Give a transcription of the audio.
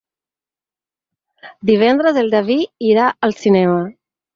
Divendres en David irà al cinema.